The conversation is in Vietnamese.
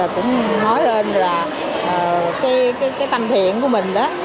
cũng nói lên là cái tâm thiện của mình đó